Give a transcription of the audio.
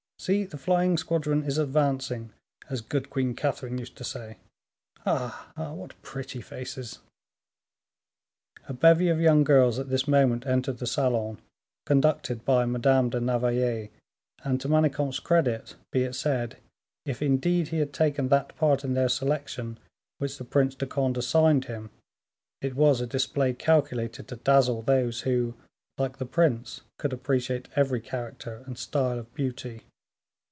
See, the flying squadron is advancing, as good Queen Catherine used to say. Ah! ah! what pretty faces!" A bevy of young girls at this moment entered the salon, conducted by Madame de Navailles, and to Manicamp's credit be it said, if indeed he had taken that part in their selection which the Prince de Conde assigned him, it was a display calculated to dazzle those who, like the prince, could appreciate every character and style of beauty.